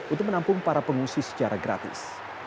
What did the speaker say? untuk menampung para pengungsi secara gratis